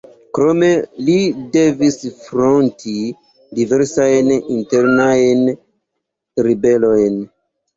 Krome li devis fronti diversajn internajn ribelojn.